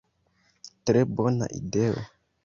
Tre bona ideo!